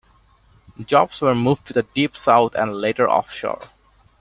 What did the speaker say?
Jobs were moved to the Deep South and later offshore.